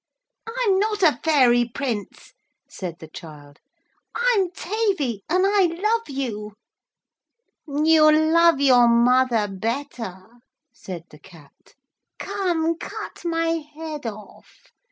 'I'm not a fairy Prince,' said the child. 'I'm Tavy and I love you.' 'You love your mother better,' said the Cat. 'Come cut my head off.